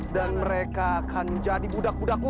dan mereka akan menjadi budak budaku